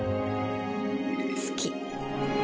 好き。